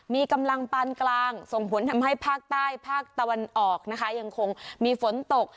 มีกำลังปานกลางส่งผลทำให้ภาคใต้ภาคตะวันออกนะคะยังคงมีฝนตก